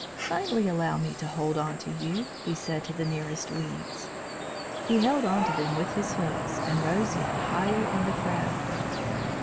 "Kindly allow me to hold on to you," he said to the nearest weeds. He held on to them with his hooks and rose yet higher in the crowd.